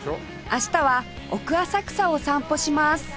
明日は奥浅草を散歩します